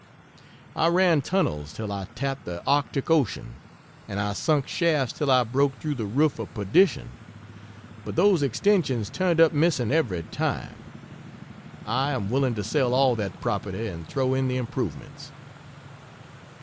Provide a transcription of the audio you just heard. I ran tunnels till I tapped the Arctic Ocean, and I sunk shafts till I broke through the roof of perdition; but those extensions turned up missing every time. I am willing to sell all that property and throw in the improvements.